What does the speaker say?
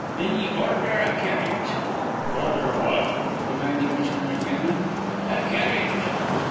Thin ye ordher a carredge" "Order what?" demanded Mr. McKenna. "A carredge."